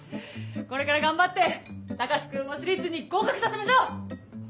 これから頑張って高志君を私立に合格させましょう。